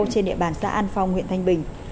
trên địa bàn xã an phong huyện thanh bình